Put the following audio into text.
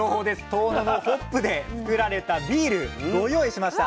遠野のホップでつくられたビールご用意しました。